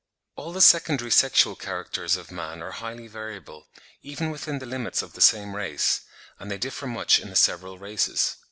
All the secondary sexual characters of man are highly variable, even within the limits of the same race; and they differ much in the several races.